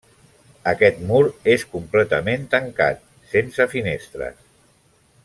Aquest mur és completament tancat, sense finestres.